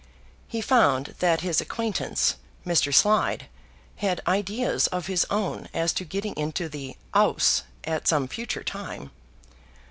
He found that his acquaintance, Mr. Slide, had ideas of his own as to getting into the 'Ouse at some future time.